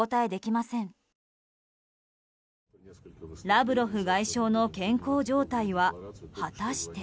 ラブロフ外相の健康状態は果たして。